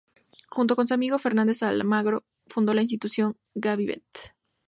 Junto con su amigo Fernández Almagro fundó la Institución Ganivet.